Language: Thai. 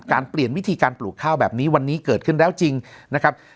เปลี่ยนวิธีการปลูกข้าวแบบนี้วันนี้เกิดขึ้นแล้วจริงนะครับ